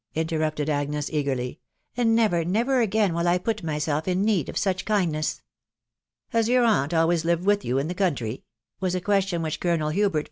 interrupted Agnes eagerly ~ tc and, nerer, newer agai&wili I put myself imneed of such kindness! " if Ha* year, avat always Meed^wkhi yeu in? the country ?" was a. question which €otos*tfi Hubert?